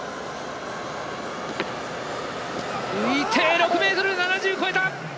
６ｍ７０、超えた！